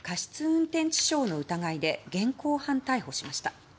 運転致傷の疑いで現行犯逮捕しました。